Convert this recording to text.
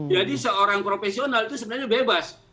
jadi seorang profesional itu sebenarnya bebas